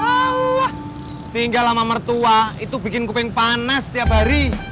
alah tinggal sama mertua itu bikin kuping panas setiap hari